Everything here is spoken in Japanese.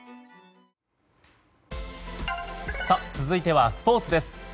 続いては、スポーツです。